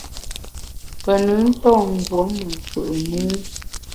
Pe nùn nton ngùom me mfù’ mû.